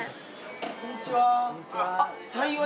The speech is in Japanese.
こんにちは。